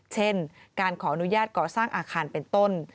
เช่นการขออนุญาตก่อสร้างอาคารเป็นต้น